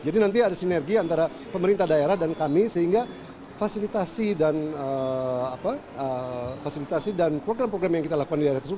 jadi nanti ada sinergi antara pemerintah daerah dan kami sehingga fasilitasi dan program program yang kita lakukan di daerah tersebut